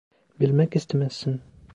Bilmek istemezsin.